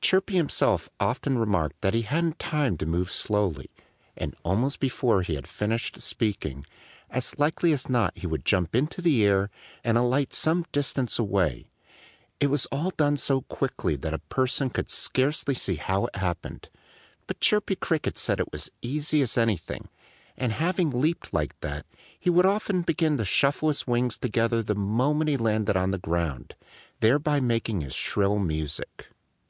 Chirpy himself often remarked that he hadn't time to move slowly. And almost before he had finished speaking, as likely as not he would jump into the air and alight some distance away. It was all done so quickly that a person could scarcely see how it happened. But Chirpy Cricket said it was as easy as anything. And having leaped like that, often he would begin to shuffle his wings together the moment he landed on the ground, thereby making his shrill music.